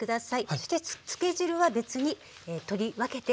そして漬け汁は別に取り分けておいて下さい。